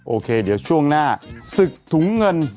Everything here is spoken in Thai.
โอเคเดี๋ยวช่วงหน้าศึกถุงเงิน